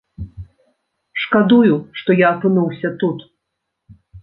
Шкадую, што я апынуўся тут.